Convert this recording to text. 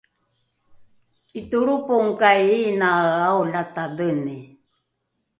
’itolropongokai iinae aolatadheni?